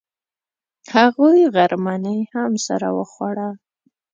هغوی غرمنۍ هم سره وخوړه.